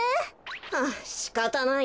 はぁしかたないな。